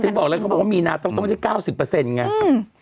ก็ถึงบอกเลยเขาบอกว่ามีนาทต้องใช้๙๐อย่างนี้